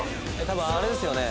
多分あれですよね？